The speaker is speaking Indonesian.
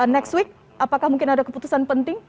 next week apakah mungkin ada keputusan penting